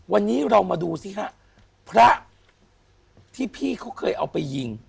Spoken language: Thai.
วันนี้เรามาดูสิฮะพระที่พี่เขาเคยเอาไปยิง